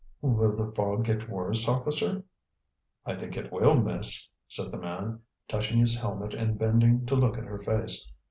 "Will the fog get worse, officer?" "I think it will, miss," said the man, touching his helmet and bending to look at her face.